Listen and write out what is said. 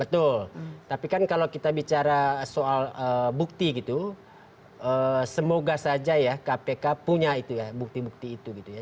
betul tapi kan kalau kita bicara soal bukti gitu semoga saja kpk punya bukti itu